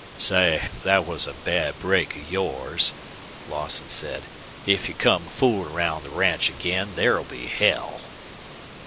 "Say, that was a bad break of yours," Lawson said. "If you come fooling round the ranch again there'll be hell."